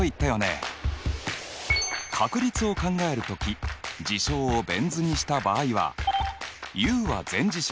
確率を考えるとき事象をベン図にした場合はＵは全事象。